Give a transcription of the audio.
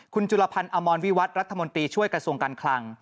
คุณจุลพันธ์อมรวิวัตรรัฐมนตรีช่วยกระทรวงการคลัง